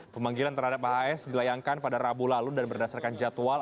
pemanggilan terhadap ahs dilayangkan pada rabu lalu dan berdasarkan jadwal